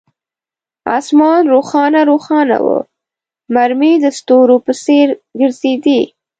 آسمان روښانه روښانه وو، مرمۍ د ستورو په څیر ګرځېدې.